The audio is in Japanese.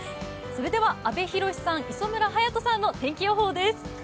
それでは阿部寛さん磯村勇斗さんの天気予報です。